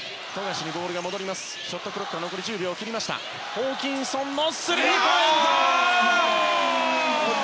ホーキンソンのスリーポイント！